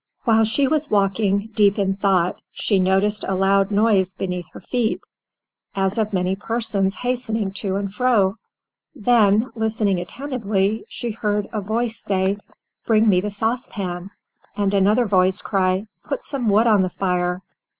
While she was walking, deep in thought, she noticed a loud noise beneath her feet, as of many persons hastening to and fro; then, listening attentively, she heard a voice say, "Bring me the saucepan," and another voice cry, "Put some wood on the fire."